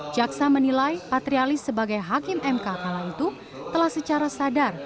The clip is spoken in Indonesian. jaksa menilai patrialis sebagai hakim mk kala itu telah secara sadar